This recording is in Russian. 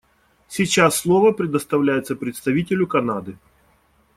Сейчас слово предоставляется представителю Канады.